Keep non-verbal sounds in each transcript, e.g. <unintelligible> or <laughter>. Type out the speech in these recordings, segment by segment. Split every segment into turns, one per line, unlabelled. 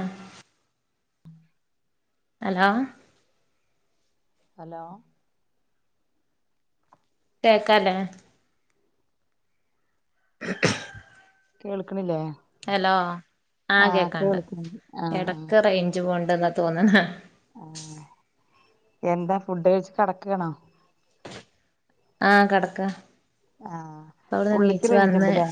ആ
<inaudible>
hello
hello
കേക്കാലേ <unintelligible>
കേൾക്കണില്ലേ
hello ആ
ആഹ്
കേക്കണണ്ട്
കേൾക്കണ്ട്
ഇടക്ക് റേഞ്ച് പോണുണ്ടന്നാ തോന്നണെ
ആ എന്താ ഫുഡ് കഴിച്ച് കെടക്കുവാണോ
ആ കെടക്കുവാ
ആഹ് ഉള്ളിക്ക്
അവിടന്നെണീച്ച് വന്ന്
റേഞ്ച്ണ്ട്ല്ലേ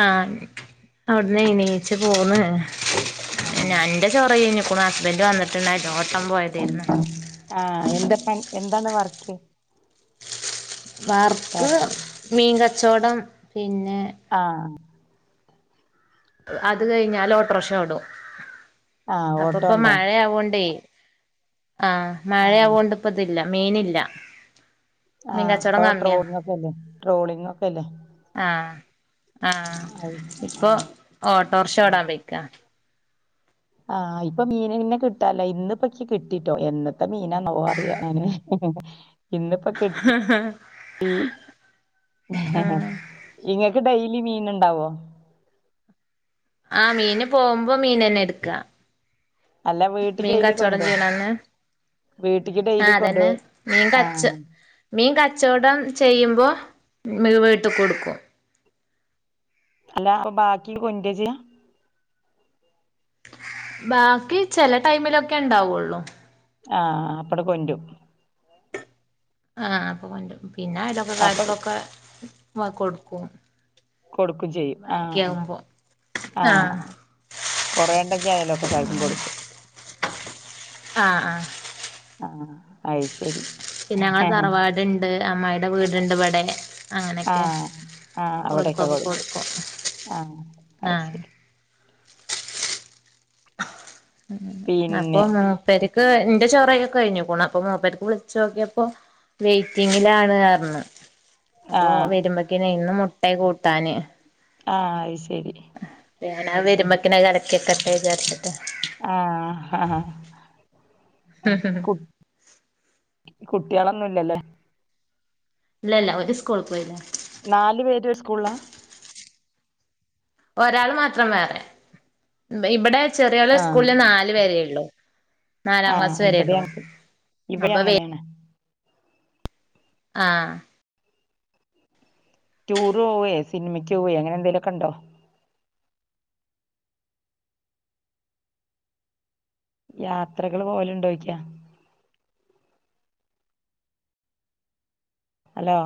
ആ അവിടുന്ന് എണീച്ച് പോന്ന്
ആഹ്
എന്റെ ചൊറ കഴിഞ്ഞു ഇപ്പോ ഹസ്ബൻഡ് വന്നിട്ടുണ്ടായിരുന്നു ഓൻ
ആ എന്താ പ എന്താണ് വർക്ക്
വർക്ക് മീൻകച്ചവടം പിന്നെ
ആഹ്
അത് കഴിഞ്ഞാല് ഓട്ടോക്ഷ ഓടും
ആഹ്
അപ്പോ
ഓട്ടോ
ഇപ്പൊ
ഉണ്ടോ
മഴയാവോണ്ടേ ആ
ആഹ്
മഴയാവൊണ്ട് ഇപ്പോ ഇതില്ല മീനില്ല
ആ
മീൻ
അപ്പൊ
കച്ചോടം കമ്മിയാ
ട്രോളിങ്ങ് ഒക്കെയല്ലേ ട്രോളിങ് ഒക്കെയല്ലേ
ആഹ്
അ ആ
ഓട്ടോറിഷോടാൻ പൊയ്ക്കാ
ആ ഇപ്പൊ മീനന്നെ കിട്ടാല്ല ഇന്നിപ്പക്ക് കിട്ടിട്ടോ എന്നത്തെ മീനാ നോ റിയ ലെ <unintelligible> ഇന്നിപ്പൊ കെട്ടി ഇങ്ങ ക്ക് ഡെയ്ലി മീന്ണ്ടാവോ
ആ മീന് പോകുമ്പോ മീനെന്നെ എട്ക്ക
അല്ല വീട്ടിക്ക്
മീൻ
ഡെയിലി
കച്ചോടം
കൊണ്ടരോ
ചെയ്യ്ണന്ന്
വീട്ടിക്ക്
ആ
ഡെയിലി കൊണ്ടോ
അതെന്നെ മീൻ കച്ച്
ആഹ്
മീൻ ക ച്ചോടം ചെയ്യുമ്പോ വീട്ട്ക്കും ഇടുക്കും
അല്ല അപ്പൊ ബാക്കി കൊന്റ ചെയ്യാ
ബാക്കി ചെല ടൈമിലൊക്കെ ണ്ടാവുള്ളു
ആ അപ്പടെ കൊണ്ടു
ആ അപ്പൊ കൊണ്ടും പിന്നെ
അപ്പൊ
അയൽവക്കക്കാര്ക്കൊക്കെ കൊടുക്കും
കൊടുക്കും ചെയ്യും ആ
ബാക്കിയാവുമ്പോ
ആ
ആഹ്
കൊറേണ്ട ങ്കി അയൽവക്കക്കാര്ക്കും കൊടുക്കും
ആ ആ
ആ അത്ശെരി
പിന്നെ ഞങ്ങളെ തറവാട്ണ്ട് അമ്മായിടെ വീട്ണ്ട് ഇവിടെ അങ്ങനൊക്കെ
ആഹ് ആഹ് അവിടെക്കെ
ഓൽക്കൊക്കെ കൊടുക്കും
ആഹ്
ആ
അത് ശരി
അപ്പൊ
പിന്നെ
മൂപ്പര് ക്ക് ന്റെ ചോറൊക്കെ കഴിഞ്ഞുക്കുണു അപ്പൊ മൂപ്പര്ക്ക് വിളിച്ചോക്കിയപ്പോ വെയിറ്റിങ്ങിലാണ് റഞ്ഞു അപ്പൊ
ആഹ്
വരുമ്പക്ക്നെ ഇന്ന് മുട്ടെ കൂട്ടാന്
ആ അത് ശെരി
പ്പേക്കിന് അത് വരുമ്പേക്കിന് അത് കലക്കി വെക്കട്ടെ ചാരിച്ചിട്ട്
ആ ആ
ഹ് ഹ് ഹ്
കുട്ട്യാളൊന്നുംല്ല ല്ലേ
ഇല്ല ല്ല ഓല് സ്കൂൾ പോയില്ലേ
നാലു പേരും ഒരു സ്കൂളില
ഒരാൾ മാത്രം വേറെ ഇവിടെ ചെറിയോലെ സ്കൂളില് നാലു വെരേ ഉള്ളു
ആ ഇവിടെ ഇവിടെ
അപ്പൊ
അങ്ങനെണ്
ആ
ടൂർ പോവേ സിനിമയ്ക്ക് പോവെ അങ്ങനെന്തെങ്കിലൊക്കെ ണ്ടോ യാത്രകള് പോകല് ണ്ടോ ചോയ്ക്ക ഹലോ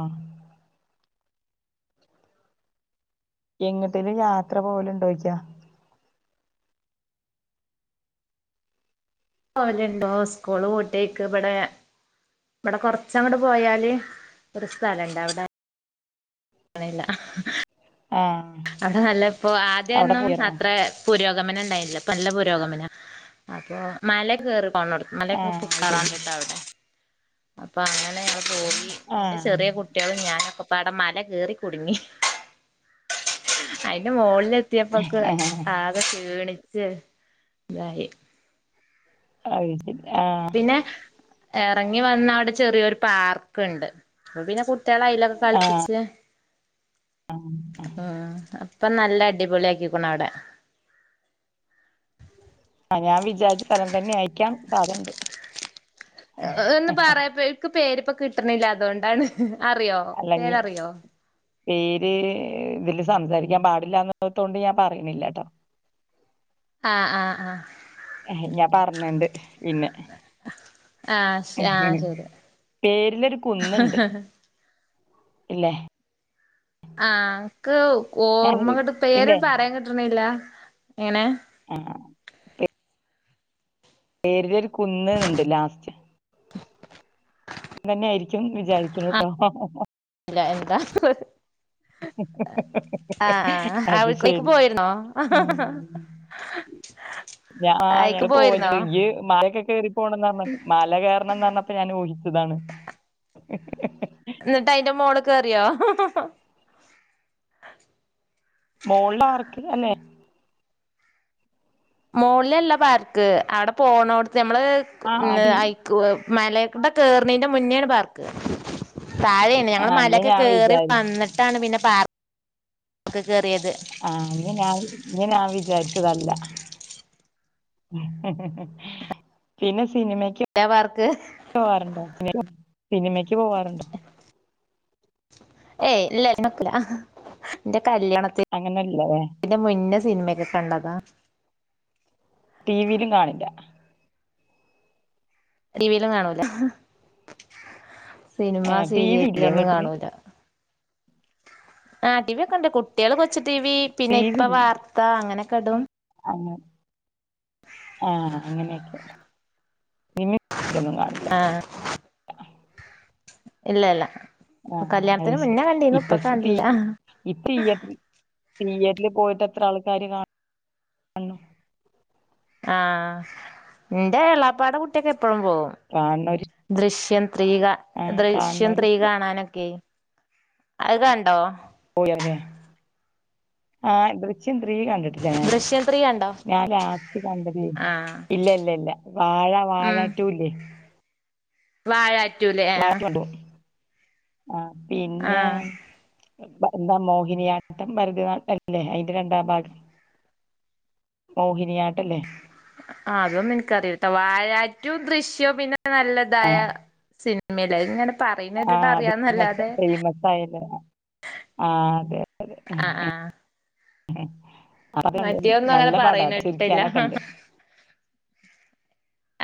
എങ്ങട്ടേലും യാത്ര പോവല്ണ്ടോ ചോയ്ക്കാ
പോലുണ്ടോ സ്കൂള് പൂട്ടെയ്ക്ക് വ്ടെ ഇവിടെ കൊറച്ചങ്ങട്ട് പോയാല് ഒരു സ്ഥലണ്ടവടെ
ആഹ്
അത നല്ല ഇപ്പോ
അവിടെ
ആദ്യൊന്നും
പോയാർന്നോ
അത്ര പുരോഗ രോഗമന ണ്ടായില്ല ഇപ്പൊ നല്ല പുരോഗമന അപ്പൊ മല കേറും പോണോട്ത്ത് മലക്കെ
ആഹ് അത് ശരി
കേറാണ്ട് ട്ടോ അവടെ അപ്പൊ അങ്ങനെ <unintelligible> പോയി ന്റെ
ആഹ്
ചെറിയ കുട്ട്യാളും ഞാനൊക്കെ പ്പ അടെ മല കേറി കുടുങ്ങി അയിന്റെ മോളി എത്തിയപ്പോക്ക് ആകെ ക്ഷീണിച്ച് ഇതായി
<unintelligible> ആഹ്
പിന്നെ എറങ്ങി വന്നവടെ ചെറിയൊരു പാർക്ക്ണ്ട് അപ്പപിന്നെ കു ട്ട്യാളെ അയ്ലൊക്കെ
ആഹ്
കളിപ്പിച്ച് ആ ഇപ്പൊ നല്ല അടിപൊളി ആക്കിക്കുണു അവടെ
ആഹ് ഞാൻ വിചാരിച്ച സ്ഥലം തന്നായിക്കാം സാധണ്ട്
ഒന്ന് പറയപ്പോക്ക് പേരിപ്പൊ കിട്ടണില്ല അതുകൊണ്ടാണ് അറിയോ
അല്ലഞ്ഞി
പേരറിയോ
പേര് ഇതില് സംസാരിക്കാൻ പാടില്ലന്നതൊണ്ട് ഞാൻ പറയണില്ലട്ടോ
ആ ആ ആ
ഞാൻ പറഞ്ഞണ്ട് പിന്നെ
ആഹ് ആഹ് ശരി
പേരിലൊരു കുന്നുണ്ട് ഇല്ലേ
ആ എക്ക് ഓർമ്മ
ഞാനൊരു
കട്ട പേര
ഇല്ലേ
പറയാൻ കിട്ടണില്ല എങ്ങനെ
ആ പേരിലൊരു കുന്നുന്നുണ്ട് ലാസ്റ്റ്
<inaudible>
തന്നെയ ആയിരിക്കും വിചാരിക്കണ കേട്ടോ
ഇല്ല എന്താ ആഹ്
അത്
അവിടേക്ക്
ശരി
പോയിരുന്നോ
ഉം <inaudible>
<inaudible>
ഞാ ആ ഞ
അയിക്ക് പോയിരുന്നോ
പോയിട്ടണ്ട് ഈ മലക്കെ കേയറി പോകണംന്ന് പറഞ്ഞപ്പ മല കയറണംന്ന് പറഞ്ഞപ്പോ ഞാന് ഓയ് താണ്
എന്നിട്ട് അയിന്റെ മോളെ കേറിയോ
മോളില ആർക്ക് അന്നെ
മോളിലല്ല പാർക്ക് അവിടെ പോണോടുത്ത് നഞമ്മള്
ആ അടി
ഐക്ക് മലക്കയുടെ കറിണീന്റെ മുന്നോണ് പാർക്ക് താഴെയാണ്
ആ
ഞങ്ങള്ൾ
ഇഞ്ഞ്
മലയൊക്കെ
ഞാൻ
കേറി
വിചാരി
വന്നിട്ടാണ് പിന്നെ പാർ ക്ക് ഒക്കെ കേറിയത്
ആ ഇഞ് ഞാൻ ഇഞ് ഞാൻ വിചാരിച്ചതല്ല പിന്നെ സ് സിനിമക്ക്
ല്ല പാർക്ക്
പോകറുണ്ടോ <unintelligible> സിനിമക്ക് പോവാറുണ്ടോ
ഏയ് ഇല്ല സിനിമയ്ക്കില്ല ഇന്റെ ഇ
അങ്ങനെല്ലല്ലേ
കല്യാണത്തിന്റെ മുന്നേ സിനിമക്കെ കണ്ടതാ
ടിവിയിലും കാണില്ല
ടിവിയിലും കാണൂലാ സിനിമ
ഏ ടി വി
സീരിയലില
ഇല്ലേ
ഒന്നും
വീട്ടില്
കാണൂല ആ ടി വി ഒക്കെ ഉണ്ട് കുട്ടികൾ കൊച്ച് ടി വി പിന്നെ
ടി
ഇപ്പൊ വാർത്ത അങ്ങനെക്കെ
അങ്ങെ ആ അങ്ങനെയൊക്കെ അധികൊന്നും കാണില്ല
ആ ഇല്ല ഇല്ല
ആ അയ്
കല്യാണത്തിന്
ശരി
മുന്നേ കണ്ടീനു
ഇപ്പ
കാണില്ല
ഇപ്പ തീയറ്റില് പോയിട്ട് എത്ര ആൾക്കാര് കാണും
ആ ഇന്റെ എളാപ്പാടെ കുട്ടിയക്കെ എപ്പഴും പോകവും
കാണുന്നോര്
ദൃശ്യം ത്രീക
ആഹ്
ദൃശ്യം
കാണുന്നോര്
ത്രീ കാണാനൊക്കെ അത്ക്കണ്ടോ
പോയില്ലേ ആദൃശ്യം ത്രീ കണ്ടിട്ടില്ല ഞാന്
ദൃശ്യം ത്രീ കണ്ടോ
ഞാൻ ലാസ്റ്റ് കണ്ടത്
ആഹ്
ഇല്ല ഇല്ല ഇല്ല വാഴ
ഉം
വാഴറ്റൂല്ലേ
വാഴാറ്റൂലേ ആ ആ
ആ പിന്നെ എന്താ മോഹിനിയാട്ടം ഭരതനാടം അല്ലേ അയ്ന്റെ രണ്ടാം ഭാഗം മോഹിനിയാട്ടെല്ലേ
ആ അതൊന്നുംൻക്കറിയില്ലട്ടോ വാഴാറ്റു ദൃശ്യും പിന്നെ നല്ലതായ സിന് മ്മെ ല്ലെ അത്ങ്ങനെ
ആ അത് ഫെയ്മസ് ഫേമസ് ആയല്ലോ ആ അതെ അതെ
ആഹ് ആഹ്
അതണ്ടോണ്ടി
മറ്റേതൊന്നും അങ്ങനെ
നല്ല
പറയണ
പാടാട്ടോ
കേട്ടിട്ടില്ല
ചിരിക്കാനൊക്കെണ്ട്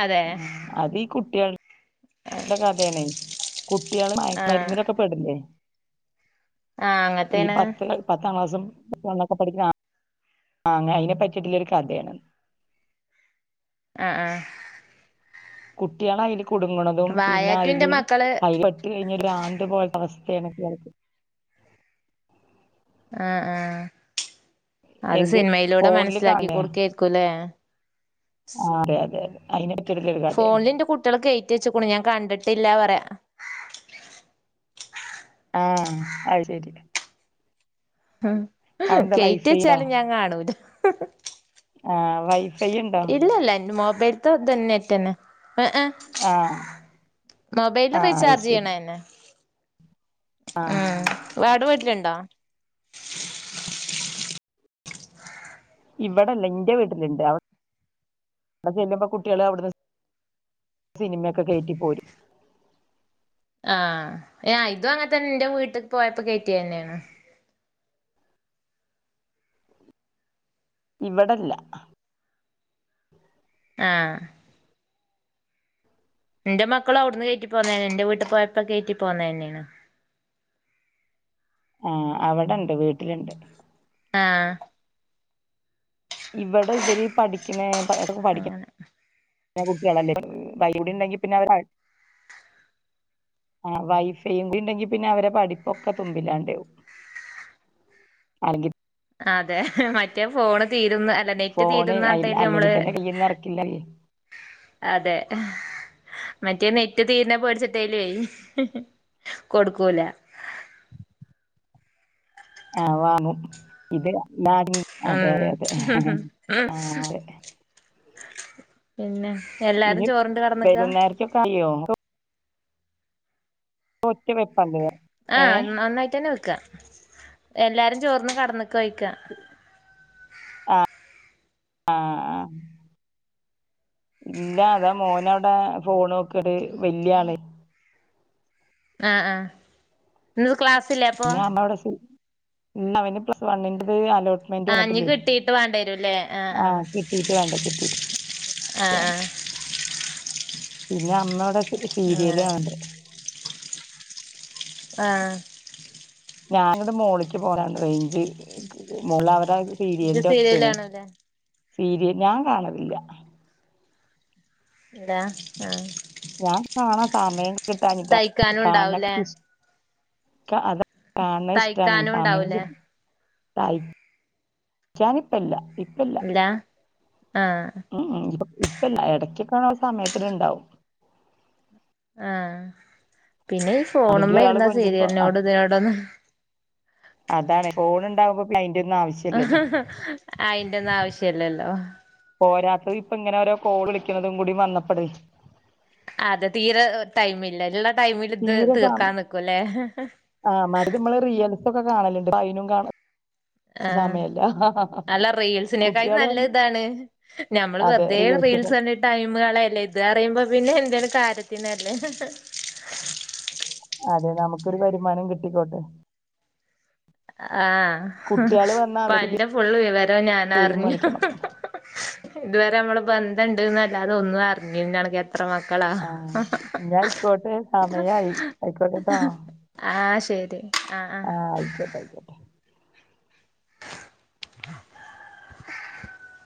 അതെ
ആ അതീ കുട്ടികൾ ല്ല കഥയാണെ കുട്ടികള് മയക്
ആഹ്
മരുന്നിലൊക്കെപെടില്ലേ
ആഹ്
ഈ
അങ്ങനത്തേണ്
പത്ത് പത്താം ക്ലാസും ളൊക്കെ പഠിക്കുന്ന ആ അങ്ങ അയിനെപറ്റിയിട്ട്ള്ളൊരു കഥയാണ്
അ ആ
കുട്ടികള് അയിൽ കുടുങ്ങണതും പിന്നെ
വാഴാറ്റു ഇന്റെ
അയില്
മക്കള്
പെട്ട് പിന്നെ ഭ്രാന്ത് പോലെത്തെ അവസ്ഥയാണ് പിള്ളാർക്ക്
അ ആ അത്
എന്ത്
സിനിമയിലൂടെ
ഫോണില്
മനസ്സിലാക്കി കൊടുക്കായിരിക്കുംല്ലേ
ആ അതെ അതെ അതെ അയിന്
ഫോണില് ന്റെ കുട്ട്യോള് കേറ്റി വെച്ചെക്ക് ഞാൻ കണ്ടിട്ടില്ലാപറയാ
ആ അത് ശരി
മ്
അവിടെന്താ
കേറ്റി
വൈഫൈ ഉണ്ടോ
വെച്ചാലും ഞാൻ കാണൂല
ആ വൈഫ്
ഇല്ല ഇല്ല ൻ മൊബൈൽത്തെ നെറ്റ് തന്നെ ഏ ഏ
ആഹ്
മൊബെല്
ആഹ് അത്
റീചാർജ്
ശരി
ചെയ്യണെന്നെ ഉം
ആഹ്
വാട് വീട്ടില്ണ്ടോ
ഇവിടെല്ല ന്റെ വീട്ടില്ണ്ട് അവിടെ ചെല്ലുമ്പ കുട്ടികള് അവിട്ന്ന് സിനിമയൊക്കെ കേറ്റിപ്പോരും
ആ ഇത് അങ്ങെ തന്നെ ന്റെ വീട്ട്ക്ക് പോയപ്പോ കേറ്റിയന്നെയാണ്
ഇവിടെല്ല
ആ ന്റെ മക്കളും അവിടുന്ന് കേറ്റി പോന്നതാണ് ന്റെ വീട്ട് പോയപ്പോ കേറ്റി പോന്നന്നെയാണ്
ആ അവിടെണ്ട് വീട്ടില്ണ്ട്
ആ
ഇവടെ ഇവര് പഠിക്ക്ണേ പ പ പഠി <inaudible>
അങ്ങനെ
ക്ക്ണെ കുട്ടിയെളല്ലേ വയിലൂടെണ്ടെങ്കി പിന്നെ അവരവർ ആ വൈഫൈയൂടി ണ്ടെങ്കി പിന്നെ അവരെ പഠിപ്പൊക്കെ തുമ്പില്ലാണ്ടാ പോവും ആണെങ്കി
അതെ മറ്റേ ഫോണ് തീരുന്ന അല്ല നെറ്റ്
ഫോണ് അയിൽ അല്ലെങ്കിൽ
തീരുന്നടേല്മ്മള്
തന്നെ കയ്യിന്ന് ഇറക്കില്ല
അതെ മറ്റേ നെറ്റ് തീര്ന്നെ പേടിച്ചിട്ടേലോ കൊടുക്കൂല
<inaudible> ആ വാങ്ങും ഇതെ മങ്ങി
ഉം
അതെ അതെ അതെ എ ഹെ എ ആ അതെ
പിന്നെ എല്ലാരും
ഇനി
ചോറ് ഇണ്ട് കിട്ന്നക്ക
വൈകുന്നേരത്തൊക്കെ ആയോ ഒക്കെ വെക്ക്
ആ നന്നായിട്ടെന്നെ വെക്ക എല്ലാരും ചോറ്ന്ന് കട്ന്നക്ക ഓയ്ക്ക
ആ ആ ഇല്ല അതാ മോനോവ്ടെ ഫോണോക്ക്ണ് വല്യയാണ്
ആ ആ
പിന്നെ അമ്മ ഇവിടെ ഇന്ന് അവന് പ്ലസ് വണ്ണിന്റെ ആലോട്
ആഞ്ഞ് കിട്ടീയിട്ട് വേണ്ടിരല്ലേ ആഹ്
കിട്ടീട്ട് വേണ്ട കിട്ടീട്ട്
ആ ആ
വേണ്ട പിന്നെ അമ്മ അവടെ
ആഹ്
സീരിയല് കാണ്ണ്ട്
അങ്ങനെ ആഹ്
ഞാൻ ഇവ്ടെ മോലിക്ക് പോരാൻ റേഞ്ച് മോള അവടെ പീരി
ഇജ്
എറെ
സീരിയൽ
ഒച്ചേനെ
കാണൂലേ
സീരിയൽ ഞാൻ കാണലില്ല
ഇതാ ആഹ
ഞാൻ കാണാ സമയം കിട്ടാാനിട്ട
തയ്ക്കാനും ഉണ്ടാവൂലേ
കാണക്കെ അത കാണത് ഇഷ്ടാണ്
തയ്ക്കാനും
സമയം കി
ഉണ്ടാവൂലേ
ഞാനിപ്പല്ല
ഇല്ലാ
ഉം ഇപ്പ ഇപ്പല്ല ഇടക്കൊക്കാണ സമയത്തി ഇണ്ടാവും
ആഹ പിന്നെ ഈ
ആരെങ്കിലും
ഫോണുമ്മേ
ഒരാള്
ഇരെന്ന
കൊണ്ട്രുമ്പോ
സീരിയലിനോട് ഇതിനോടൊന്ന്
അതാണ് ഫോൺ ഉണ്ടാവുമ്പോ പിന്നെ അയ്
ആ ഹ ആ അയിന്റെ ഒന്നും ആവശ്യല്ലല്ലോ
പോരാത്തത് ഇപ്പ ഇങ്ങനെ ഓരോ കോള് വിളിക്കുന്നതും കൂടി വന്നപ്പട
അതെ തീരെ ടൈം ഇല്ല ള്ള ടൈമിൽ ഇത്
തീരെ സമ
തീർക്കാ നിക്കൂല്ലേ
ൊക്കെണാനലുണ്ട് പൈനും കാണ
ആഹ്
സമയല്ല
അല്ല റീൽസിനെക്കാായി
കുട്ട്യാള്
നല്ല ഇതാണ് നഞമ്മള്
അതെ
വെറുതെ
റിയൽസിന്
റീൽസ് കണ്ടിട്ട് ടൈം കളയണ്ട ല്ല ഇത് അറിയുമ്പോ പിന്നെ എന്തേലും കാര്യത്തിനല്ലേ
അതെ നമക്കൊരു വരുമാനം കിട്ടിക്കോട്ടെ
ആഹ
കുട്ടികള് വന്നാ
അപ്പൊ
അവര്
എന്റെ ഫുള് വിവരം ഞാൻ
ഗെയിം
അറിഞ്ഞു
കളിക്കണം <inaudible>
ഇതുവരെ നമ്മള് ബന്ധുണ്ട്ന്നല്ലാതെ ഒന്ന അറിഞ്ഞി
ആഹ ഞ ആയിക്കോട്ടെ സമയയി ആയിക്കോട്ടെട്ടോ
ആഹ ശരി ആഹ് ആഹ്
ആഹ ആയിക്കോട്ടെ ആയിക്കോട്ടെ
<inaudible>